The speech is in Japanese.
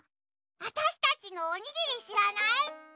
わたしたちのおにぎりしらない？